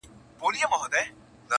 هغې ته تېر ياد راځي ناڅاپه,